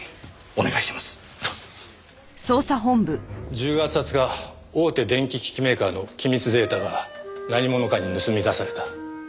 １０月２０日大手電機機器メーカーの機密データが何者かに盗み出された。